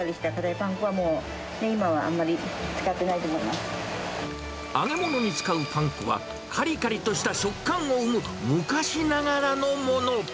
パン粉は、もう今はあんまり使揚げ物に使うパン粉は、かりかりとした食感を生む昔ながらのもの。